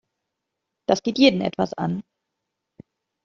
Das geht jeden etwas an.